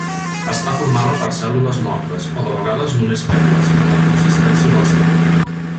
Està formada per cèl·lules mortes, o de vegades només febles, amb la consistència del suro.